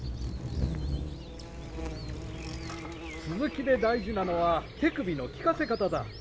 スズキで大事なのは手首のきかせ方だ。